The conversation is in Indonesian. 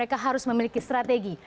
mereka harus memiliki strategi